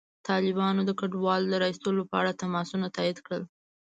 طالبانو د کډوالو د ایستلو په اړه تماسونه تایید کړل.